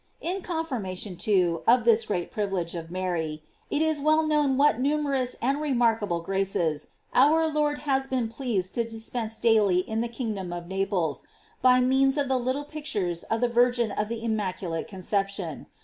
f In confirmation, too, of this great priv ilege of Mary, it is well known what numer ous and remarkable graces our Lord has been pleased to dispense daily in the kingdom of Naples, by means of the little pictures of the Virgin of the Immaculate Conception.